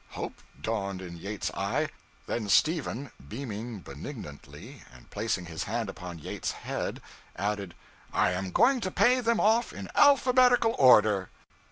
Hope dawned in Yates's eye; then Stephen, beaming benignantly, and placing his hand upon Yates's head, added, 'I am going to pay them off in alphabetical order!'